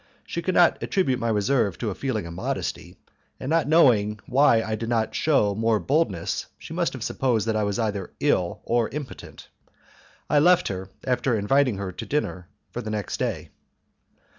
She could not attribute my reserve to a feeling of modesty, and not knowing why I did not shew more boldness she must have supposed that I was either ill or impotent. I left her, after inviting her to dinner for the next day.